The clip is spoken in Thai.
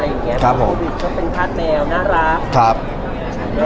เล่นกับแมวอะไรอย่างเงี้ยครับผมก็เป็นภาพแมวน่ารักครับไงบ้างคะ